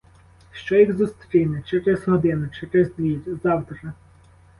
Що їх зустріне через годину, через дві, завтра?